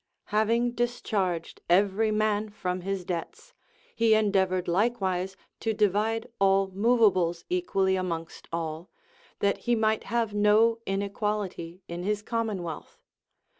Having discharged every man from his debts, he endeavored likewise to divide all movables equally amongst all, that he might have no inequality in his com monwealth.